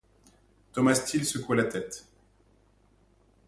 Thomas Steel secoua la tête.